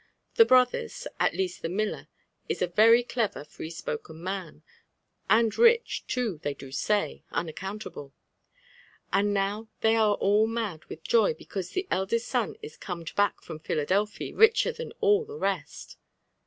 The bro thers^ at least the miller, is a very clever free spoken man, and rich too« they do say» unaccountable : and new they are all mad wkh joy because the eldest son is corned back from Philadelphy richer than all the rest.